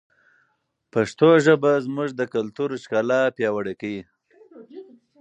پښتو ژبه زموږ د کلتور ښکلا پیاوړې کوي.